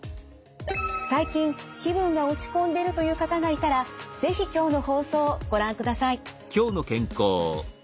最近気分が落ち込んでるという方がいたら是非今日の放送ご覧ください。